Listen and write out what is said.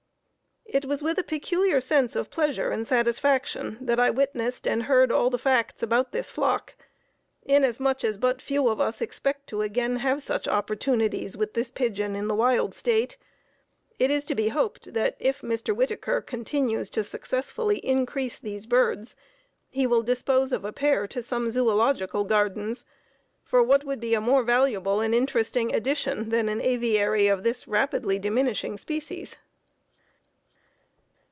It was with a peculiar sense of pleasure and satisfaction that I witnessed and heard all the facts about this flock, inasmuch as but few of us expect to again have such opportunities with this pigeon in the wild state. It is to be hoped that, if Mr. Whittaker continues to successfully increase these birds, he will dispose of a pair to some zoölogical gardens; for what would be a more valuable and interesting addition than an aviary of this rapidly diminishing species?